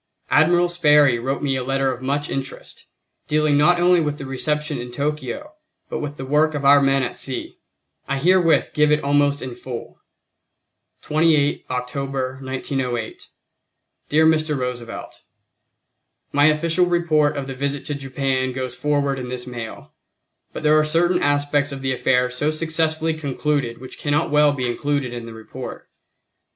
Admiral Sperry wrote me a letter of much interest, dealing not only with the reception in Tokyo but with the work of our men at sea; I herewith give it almost in full: 28 October, 1908. Dear Mr. Roosevelt: My official report of the visit to Japan goes forward in this mail, but there are certain aspects of the affair so successfully concluded which cannot well be included in the report.